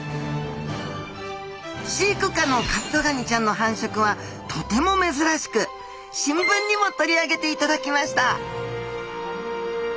飼育下のカブトガニちゃんの繁殖はとても珍しく新聞にも取り上げていただきました